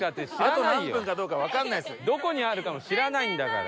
どこにあるかも知らないんだから。